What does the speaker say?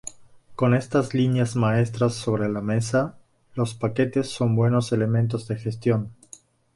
Con estas líneas maestras sobre la mesa, los paquetes son buenos elementos de gestión.